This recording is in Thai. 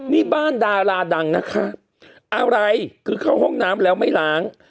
นี่บ้านดาราดังนะคะอะไรคือเข้าห้องน้ำแล้วไม่ล้าง